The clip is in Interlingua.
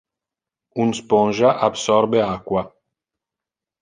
Un spongia absorbe aqua.